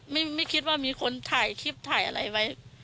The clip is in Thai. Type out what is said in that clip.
ไม่คิดว่ามีคนถ่ายคลิปถ่ายอะไรไว้